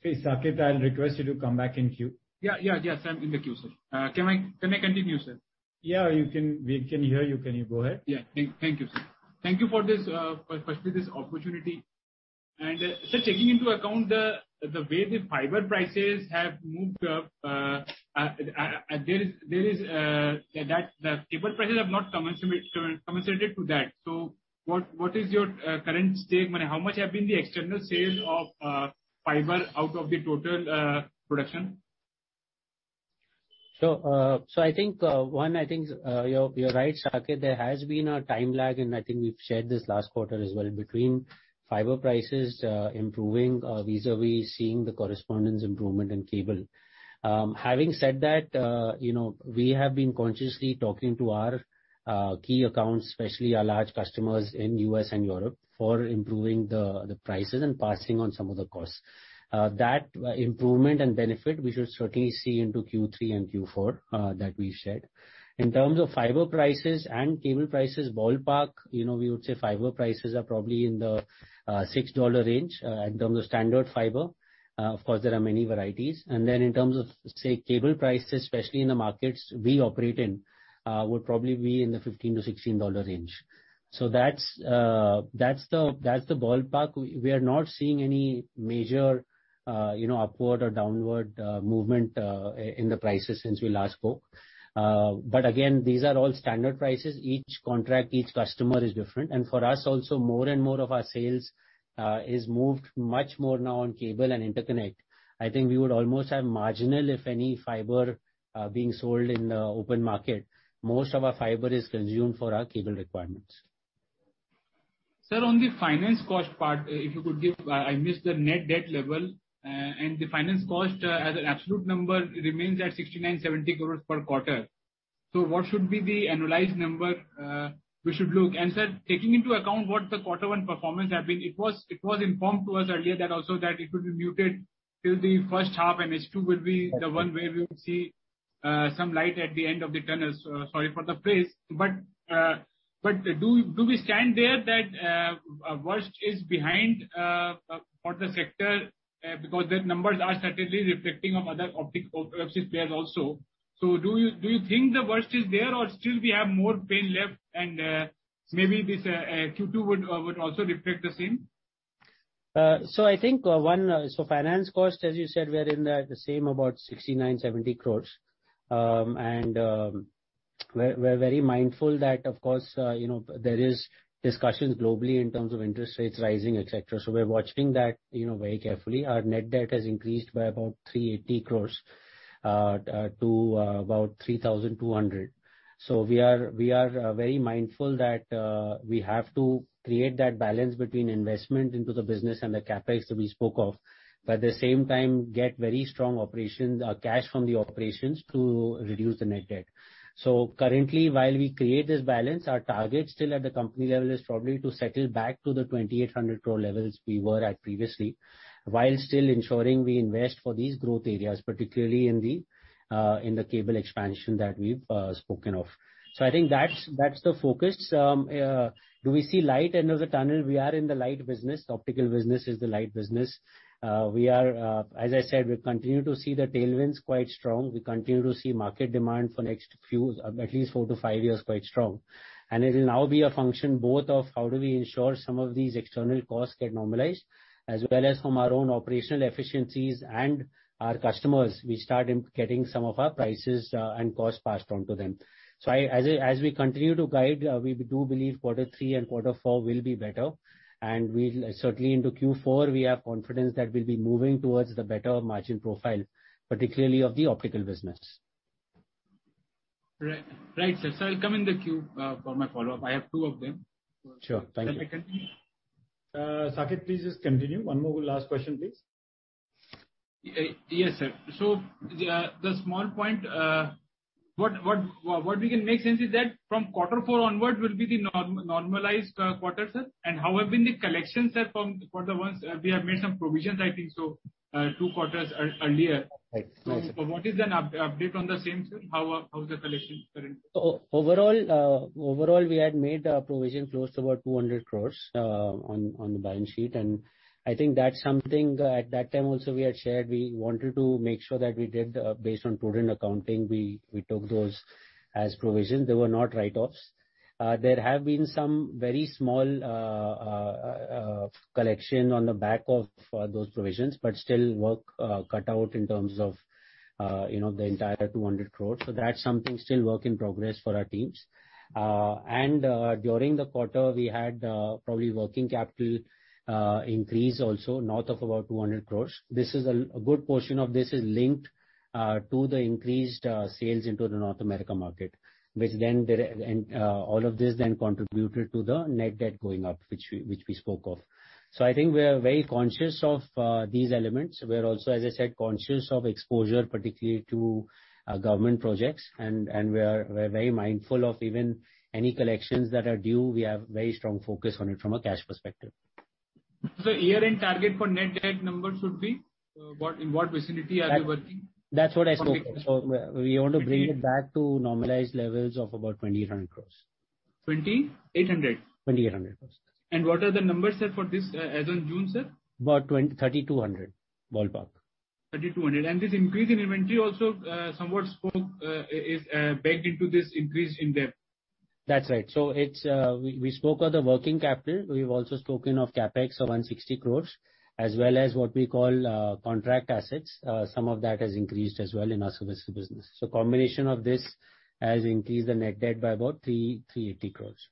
Please, Saket, I'll request you to come back in queue. Yeah, yes, I'm in the queue, sir. Can I continue, sir? Yeah, you can. We can hear you. Can you go ahead? Yeah. Thank you, sir. Thank you for this opportunity. Taking into account the way the fiber prices have moved, and the cable prices have not compensated to that. What is your current take? I mean, how much have been the external sales of fiber out of the total production? I think you're right, Saket. There has been a time lag, and I think we've shared this last quarter as well, between fiber prices improving vis-à-vis seeing the corresponding improvement in cable. Having said that, you know, we have been consciously talking to our key accounts, especially our large customers in U.S. and Europe, for improving the prices and passing on some of the costs. That improvement and benefit we should certainly see into Q3 and Q4, that we've shared. In terms of fiber prices and cable prices ballpark, you know, we would say fiber prices are probably in the $6 range, in terms of standard fiber. Of course there are many varieties. In terms of, say, cable prices, especially in the markets we operate in, would probably be in the $15-$16 range. That's the ballpark. We are not seeing any major, you know, upward or downward movement in the prices since we last spoke. Again, these are all standard prices. Each contract, each customer is different. For us also, more and more of our sales is moved much more now on cable and interconnect. I think we would almost have marginal, if any, fiber being sold in the open market. Most of our fiber is consumed for our cable requirements. Sir, on the finance cost part, if you could give, I missed the net debt level, and the finance cost as an absolute number remains at 69-70 crore per quarter. What should be the annualized number we should look? Sir, taking into account what the quarter one performance have been, it was informed to us earlier that also that it would be muted till the H1 And H2 would be the one where we would see some light at the end of the tunnel. Sorry for the phrase, but do we stand there that worst is behind for the sector, because the numbers are certainly reflecting on other optics ops players also. Do you think the worst is there or still we have more pain left and maybe this Q2 would also reflect the same? I think finance cost, as you said, we are in the same about 69-70 crore. We're very mindful that of course, you know, there is discussions globally in terms of interest rates rising, et cetera. We're watching that, you know, very carefully. Our net debt has increased by about 380 crore to about 3,200 crore. We are very mindful that we have to create that balance between investment into the business and the CapEx that we spoke of. At the same time get very strong operations cash from the operations to reduce the net debt. Currently, while we create this balance, our target still at the company level is probably to settle back to the 2,800 crore levels we were at previously, while still ensuring we invest for these growth areas, particularly in the cable expansion that we've spoken of. I think that's the focus. Do we see light at the end of the tunnel? We are in the light business. Optical business is the light business. As I said, we continue to see the tailwinds quite strong. We continue to see market demand for next few, at least four to five years, quite strong. It'll now be a function both of how do we ensure some of these external costs get normalized, as well as from our own operational efficiencies and our customers, we start getting some of our prices and costs passed on to them. As we continue to guide, we do believe quarter three and quarter four will be better. We'll certainly into Q4, we have confidence that we'll be moving towards the better margin profile, particularly of the optical business. Right, sir. I'll come in the queue for my follow-up. I have two of them. Sure. Thank you. Saket, please just continue. One more last question, please. Yes, sir. The small point, what we can make sense, is that from quarter four onward will be the normalized quarter, sir. How have been the collections, sir, from for the ones we have made some provisions, I think so, two quarters earlier. Right. That's it. What is an update on the same, sir? How is the collection currently? Overall, we had made a provision close to about 200 crores on the balance sheet. I think that's something at that time also we had shared, we wanted to make sure that we did based on prudent accounting, we took those as provisions. They were not write-offs. There have been some very small collection on the back of those provisions, but still work cut out in terms of you know the entire 200 crores. That's something still work in progress for our teams. During the quarter, we had probably working capital increase also north of about 200 crores. This is a good portion of this is linked to the increased sales into the North America market, which then der All of this then contributed to the net debt going up, which we spoke of. I think we are very conscious of these elements. We're also, as I said, conscious of exposure, particularly to government projects. We're very mindful of even any collections that are due. We have very strong focus on it from a cash perspective. Sir, year-end target for net debt number should be what, in what vicinity are you working? That's what I spoke of. We want to bring it back to normalized levels of about 2,800 crores. 2,800. 2,800 crores. What are the numbers, sir, for this, as of June, sir? About 3,200, ballpark. 3,200. This increase in inventory also somewhat is baked into this increase in debt. That's right. It's we spoke of the working capital. We've also spoken of CapEx of 160 crores, as well as what we call contract assets. Some of that has increased as well in our service business. Combination of this has increased the net debt by about 380 crores.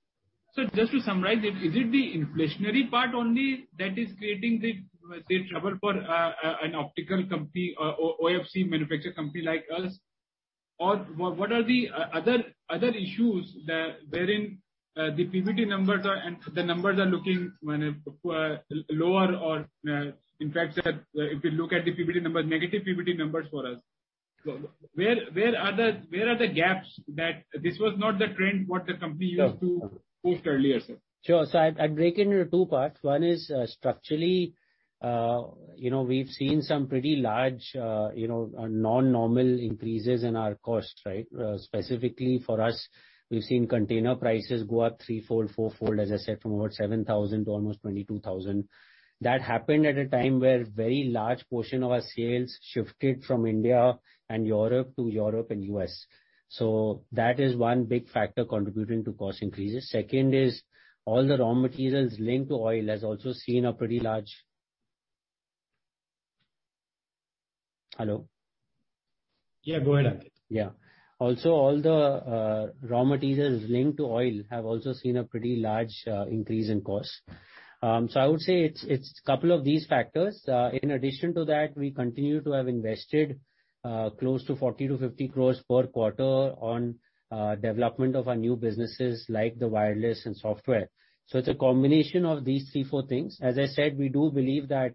Sir, just to summarize it, is it the inflationary part only that is creating the trouble for an optical company or OFC manufacture company like us? Or what are the other issues that wherein the PBT numbers are and the numbers are looking when lower or in fact, sir, if you look at the PBT numbers, negative PBT numbers for us. Where are the gaps that this was not the trend what the company used to post earlier, sir. I'd break into two parts. One is, structurally, you know, we've seen some pretty large, you know, non-normal increases in our costs, right? Specifically for us, we've seen container prices go up three-fold, four-fold, as I said, from about $7,000 to almost $22,000. That happened at a time where very large portion of our sales shifted from India and Europe to Europe and U.S. That is one big factor contributing to cost increases. Second is all the raw materials linked to oil has also seen a pretty large. Hello? Yeah, go ahead, Ankit. Also, all the raw materials linked to oil have also seen a pretty large increase in cost. I would say it's a couple of these factors. In addition to that, we continue to have invested close to 40-50 crore per quarter on development of our new businesses like the wireless and software. It's a combination of these three, four things. As I said, we do believe that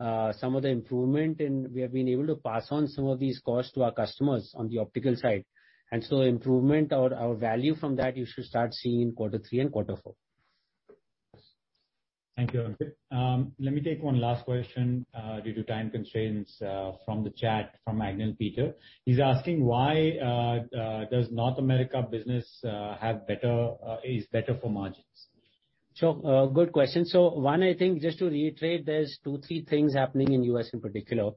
some of the improvement, and we have been able to pass on some of these costs to our customers on the optical side. Improvement in our value from that you should start seeing in quarter three and quarter four. Thank you, Ankit. Let me take one last question, due to time constraints, from the chat from Agnel Peter. He's asking why does North America business is better for margins? Sure. Good question. One, I think just to reiterate, there's two, three things happening in U.S. in particular.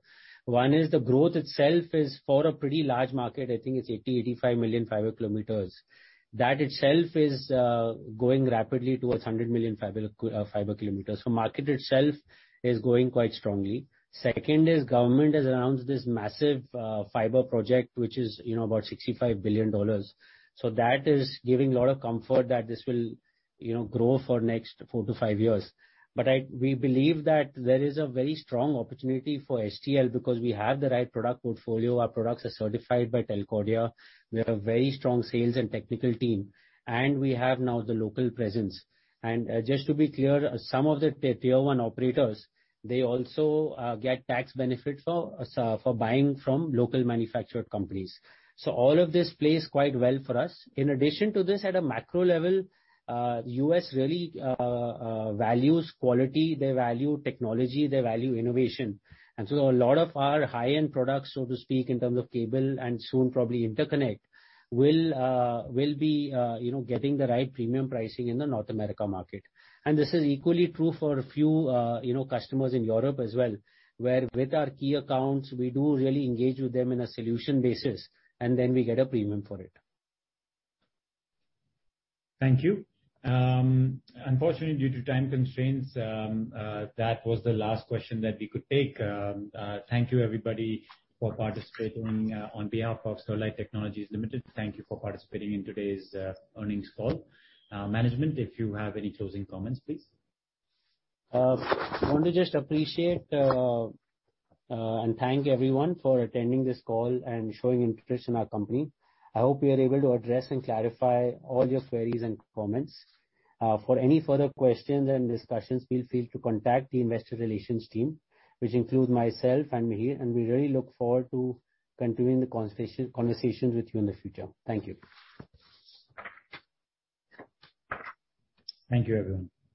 One is the growth itself is for a pretty large market. I think it's 80-85 million fkm. That itself is going rapidly towards 100 million fkm. Market itself is growing quite strongly. Second is government has announced this massive fiber project, which is, you know, about $65 billion. That is giving a lot of comfort that this will, you know, grow for next four to five years. We believe that there is a very strong opportunity for STL because we have the right product portfolio. Our products are certified by Telcordia. We have a very strong sales and technical team, and we have now the local presence. Just to be clear, some of the tier one operators, they also get tax benefits for buying from locally manufactured companies. All of this plays quite well for us. In addition to this, at a macro level, U.S. really values quality, they value technology, they value innovation. A lot of our high-end products, so to speak, in terms of cable and soon probably interconnect, will be getting the right premium pricing in the North America market. This is equally true for a few customers in Europe as well, where with our key accounts, we do really engage with them in a solution basis, and then we get a premium for it. Thank you. Unfortunately due to time constraints, that was the last question that we could take. Thank you everybody for participating on behalf of Sterlite Technologies Limited. Thank you for participating in today's earnings call. Management, if you have any closing comments, please. I want to just appreciate and thank everyone for attending this call and showing interest in our company. I hope we are able to address and clarify all your queries and comments. For any further questions and discussions, feel free to contact the investor relations team, which includes myself and Mihir, and we really look forward to continuing the conversation with you in the future. Thank you. Thank you, everyone.